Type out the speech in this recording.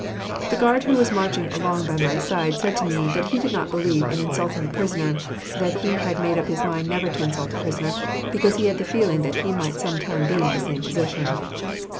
The guard who was marching along by my side said to me that he did not believe in insulting a prisoner; that he had made up his mind never to insult a prisoner, because he had the feeling that he might some time be in the same position.